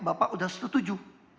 bapak sudah setuju